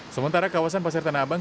sementara kawasan pasar tanah abang